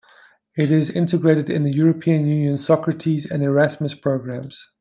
It is integrated in the European Union's Socrates and Erasmus programs.